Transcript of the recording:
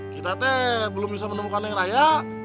kita teh belum bisa menemukan yang raya